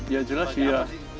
ya jelas ya